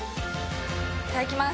いただきます。